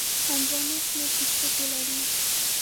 هندوانه شنه پوستکی لري.